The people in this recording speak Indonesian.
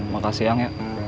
makasih ang ya